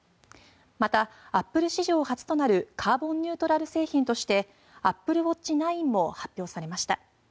また、アップル史上初となるカーボンニュートラル製品としてアップルウォッチ９も発表されました。